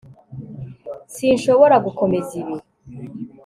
Sinshobora gukomeza ibi